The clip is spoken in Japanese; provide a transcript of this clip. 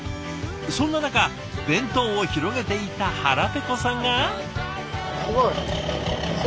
そんな中弁当を広げていた腹ペコさんが。